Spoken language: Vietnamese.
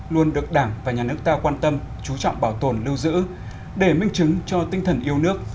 luôn được đảng và nhà nước ta quan tâm chú trọng bảo tồn lưu giữ để minh chứng cho tinh thần yêu nước